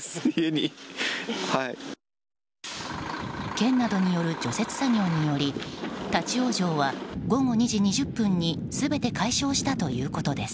県などによる除雪作業により立ち往生は午後２時２０分に全て解消したということです。